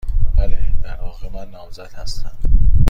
بله. در واقع، من نامزد هستم.